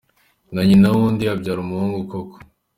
Na nyina w’undi abyara umuhungu koko!.